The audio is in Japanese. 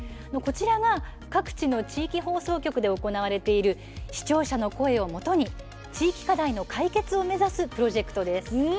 こちらが、各地の地域放送局で行われている視聴者の声をもとに地域課題の解決を目指すプロジェクトです。